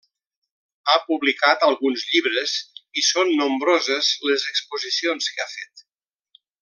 Ha publicat alguns llibres, i són nombroses les exposicions que ha fet.